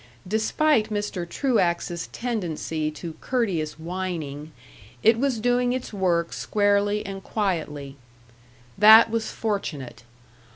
Despite Mr. Truax's tendency to courteous whining, it was doing its work squarely and quietly. That was fortunate.